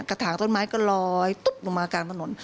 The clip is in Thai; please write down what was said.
ถางต้นไม้ก็ลอยตุ๊บลงมากลางถนน